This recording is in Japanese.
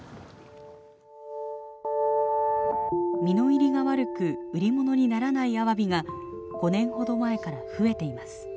身の入りが悪く売り物にならないアワビが５年ほど前から増えています。